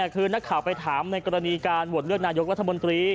คือนักข่าวไปถามในกรณีการโหวตเลือกนายกรัฐมนตรี